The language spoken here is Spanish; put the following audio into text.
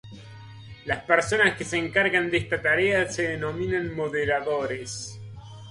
Las personas que se encargan de esta tarea se denominan moderadores.